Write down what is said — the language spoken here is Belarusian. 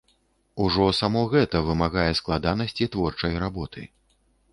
Ужо само гэта вымагае складанасці творчай работы.